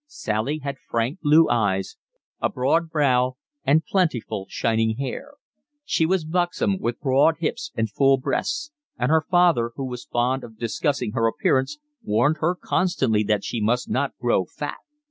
Sally had frank blue eyes, a broad brow, and plentiful shining hair; she was buxom, with broad hips and full breasts; and her father, who was fond of discussing her appearance, warned her constantly that she must not grow fat.